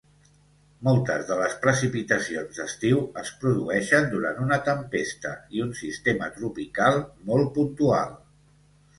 Moltes de les precipitacions d'estiu es produeixen durant una tempesta i un sistema tropical molt puntual.